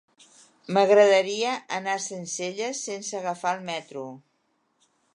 M'agradaria anar a Sencelles sense agafar el metro.